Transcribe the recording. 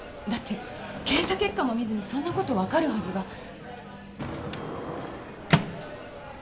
だって検査結果も見ずにそんなことわかるはずが。